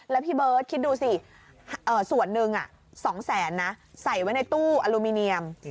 แล้วพี่เบิร์ตคิดดูสิส่วนหนึ่ง๒แสนนะใส่ไว้ในตู้อลูมิเนียม